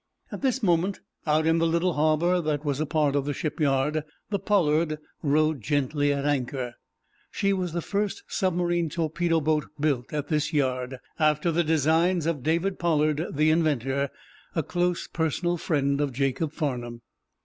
At this moment, out in the little harbor that was a part of the shipyard, the "Pollard" rode gently at anchor. She was the first submarine torpedo boat built at this yard, after the designs of David Pollard, the inventor, a close personal friend of Jacob Farnum.